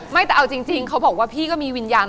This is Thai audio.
ไม่แต่เอาจริงเขาบอกว่าพี่ก็มีวิญญาณ